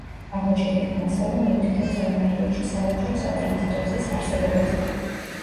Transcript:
აღმოჩენილი მასალა მიუთითებს ამ რაიონში სავაჭრო-სატრანზიტო გზის არსებობაზე.